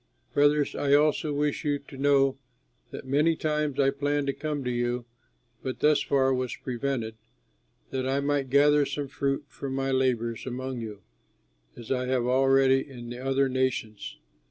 Brothers, I also wish you to know that many times I planned to come to you (but thus far was prevented) that I might gather some fruit from my labors among you, as I have already in the other nations.